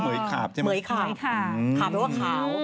เหมือยขาบหมายคือเขา